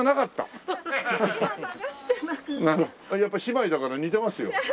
やっぱ姉妹だから似てますよ。